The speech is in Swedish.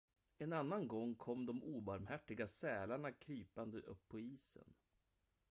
En annan gång kom de obarmhärtiga sälarna krypande upp på isen.